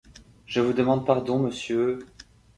Je vous demande pardon, monsieur…